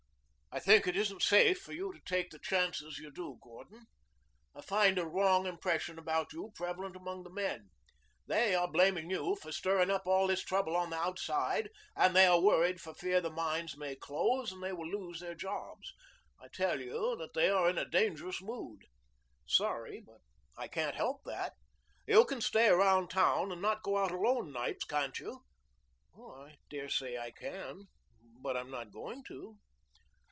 "I think it isn't safe for you to take the chances you do, Gordon. I find a wrong impression about you prevalent among the men. They are blaming you for stirring up all this trouble on the outside, and they are worried for fear the mines may close and they will lose their jobs. I tell you that they are in a dangerous mood." "Sorry, but I can't help that." "You can stay around town and not go out alone nights, can't you?" "I dare say I can, but I'm not going to."